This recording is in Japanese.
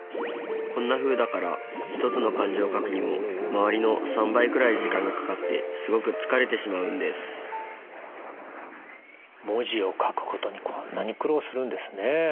こんなふうだから１つの漢字を書くにも周りの３倍くらい時間がかかってすごく疲れてしまうんです文字を書くことにこんなに苦労するんですね。